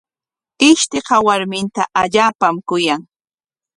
Ishtiqa warminta allaapam kuyan.